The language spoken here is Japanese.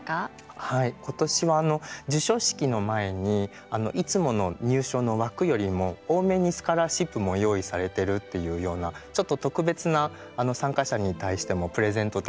はい今年はあの授賞式の前にいつもの入賞の枠よりも多めにスカラシップも用意されてるっていうようなちょっと特別な参加者に対してもプレゼント的な要素があったりですね